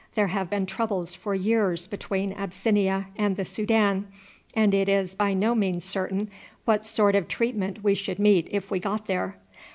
There have been troubles for years between Abyssinia and the Soudan, and it is by no means certain what sort of treatment we should meet if we got there.